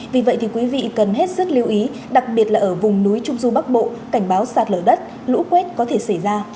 vì vậy thì quý vị cần hết sức lưu ý đặc biệt là ở vùng núi trung du bắc bộ cảnh báo sạt lở đất lũ quét có thể xảy ra